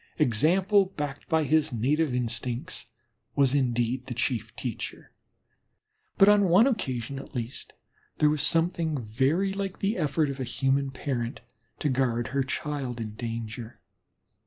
Example backed by his native instincts was indeed the chief teacher, but on one occasion at least there was something very like the effort of a human parent to guard her child in danger.